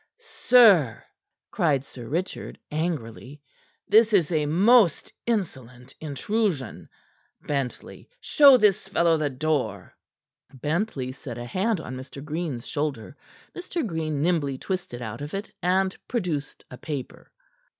"Sir," cried Sir Richard angrily. "This is a most insolent intrusion. Bentley, show this fellow the door." Bentley set a hand on Mr. Green's shoulder. Mr. Green nimbly twisted out of it, and produced a paper.